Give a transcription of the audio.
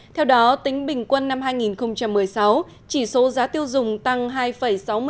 theo đó tính bình quân năm hai nghìn một mươi sáu chỉ số giá tiêu dùng tăng hai sáu mươi sáu so với năm hai nghìn một mươi năm